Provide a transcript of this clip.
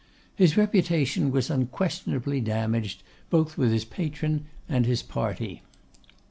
His reputation was unquestionably damaged, both with his patron and his party.